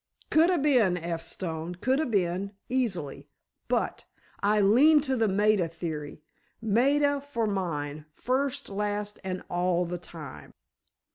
"Coulda been, F. Stone. Coulda been—easily. But—I lean to the Maida theory. Maida for mine, first, last, and all the time."